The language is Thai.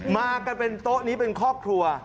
มากันเป็นโต๊ะนี้เป็นครอบครัว